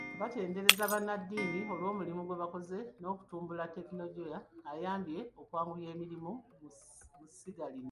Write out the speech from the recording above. Baatenderezza bannaddiini olw'omulimu gwe bakoze ng'okutumbula tekinologiya ayambye okwanguya emirimu mu ssiga lino.